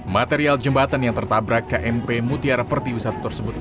material jembatan yang tertabrak kmp mutiara pertiwisata tersebut